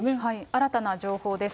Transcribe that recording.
新たな情報です。